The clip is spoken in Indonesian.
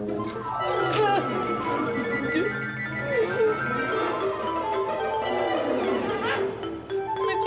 mencira mah aja